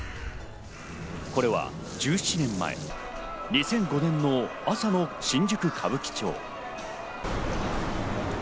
これは１７年前、２００５年の朝の新宿・歌舞伎町。